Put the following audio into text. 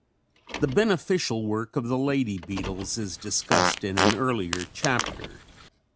The beneficial work of the lady beetles is discussed in an earlier chapter.